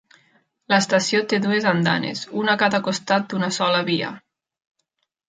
L'estació té dues andanes, un a cada costat d'una sola via.